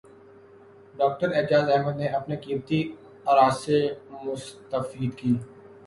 doctor Ejaz Ahmed نے اپنے قیمتی اراءسے مستفید کی